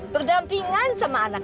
berdampingan sama anak